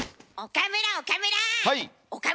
岡村岡村！